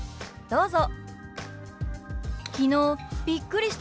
どうぞ。